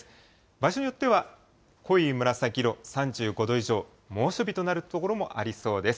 場所によっては濃い紫色、３５度以上、猛暑日となる所もありそうです。